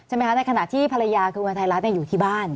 ใช่ไหมครับในขณะที่ภรรยาคืออุณหภัยรัฐอยู่ที่บ้าน